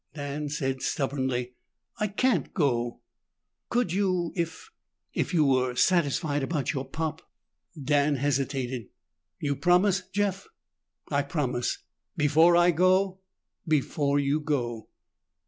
Dan said stubbornly, "I can't go." "Could you if if you were satisfied about your pop?" Dan hesitated. "You promise, Jeff?" "I promise." "Before I go?" "Before you go."